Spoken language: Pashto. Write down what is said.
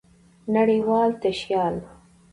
نړۍوال تشيال